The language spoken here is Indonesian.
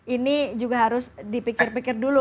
ini juga harus dipikir pikir dulu